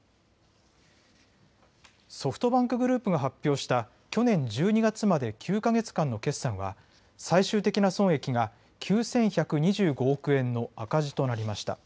ソフトバンクグループが発表した去年１２月まで９か月間の決算は最終的な損益が９１２５億円の赤字となりました。